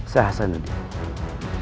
saya selalu dihidupkan